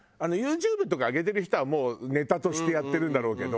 ＹｏｕＴｕｂｅとか上げてる人はもうネタとしてやってるんだろうけど。